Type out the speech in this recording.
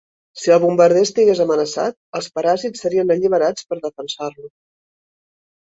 Si el bombarder estigués amenaçat, els paràsits serien alliberats per defensar-lo.